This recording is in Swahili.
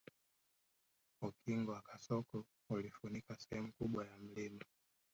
Ukingo wa kasoko ulifunika sehemu kubwa ya mlima